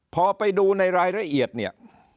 พอไปดูในรายละเอียดเนี่ย